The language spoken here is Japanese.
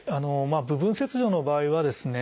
部分切除の場合はですね